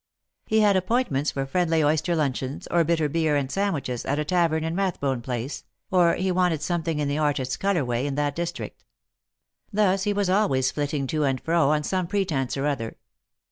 He had appointments for friendly oyster luncheons, or bitter beer and sandwiches at a tavern in Rathbone place, or he wanted something in the artist's colour way in that district. Thus he was always flitting to and fro, on some pretence or other.